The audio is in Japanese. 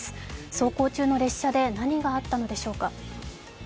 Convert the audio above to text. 走行中の列車で何があったのでしょうか。